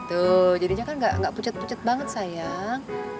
tuh jadinya kan gak pucat pucat banget sayang